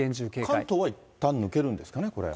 関東はいったん抜けるんですかね、これ。